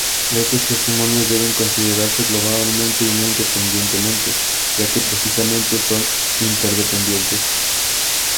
Estos testimonios deben considerarse globalmente y no independientemente, ya que precisamente son interdependientes.